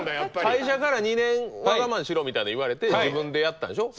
会社から２年は我慢しろみたいなの言われて自分でやったんでしょ？